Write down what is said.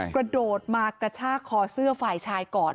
กระโดดมากระชากคอเสื้อฝ่ายชายก่อน